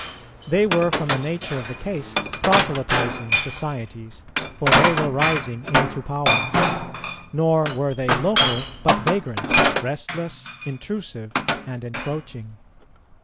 They were from the nature of the case proselytizing societies, for they were rising into power; nor were they local, but vagrant, restless, intrusive, and encroaching.